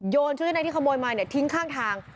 โยนชุดชะนัยที่ขโมยมาทิ้นข้างทาง